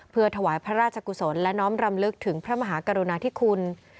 เพื่อถวายพระราชกุศลและน้อมรำลึกถึงพระมหากรุณาธิคุณ